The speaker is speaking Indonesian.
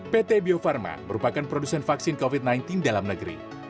pt bio farma merupakan produsen vaksin covid sembilan belas dalam negeri